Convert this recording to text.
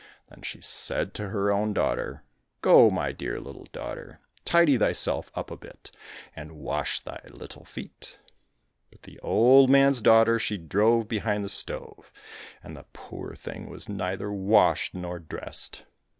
Then she said to her own daughter, " Go, my dear little daughter, tidy thyself up a bit, and wash thy little feet !"— But the old man's daughter she drove behind the stove, and the poor thing was neither washed nor dressed.